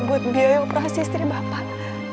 buat biaya operasi istri bapak